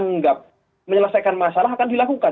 menganggap menyelesaikan masalah akan dilakukan